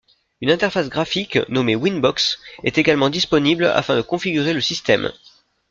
Une interface graphique, nommé Winbox, est également disponible afin de configurer le système.